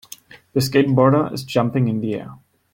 The skateboarder is jumping in the air.